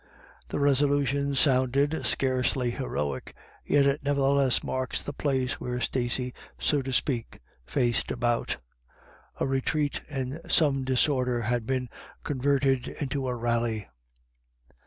*' The resolution sounds scarcely heroic, yet it nevertheless marks the place where Stacey, so to speak, faced about. A retreat in some disorder had been converted into a rally.